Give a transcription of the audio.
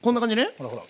ほらほら。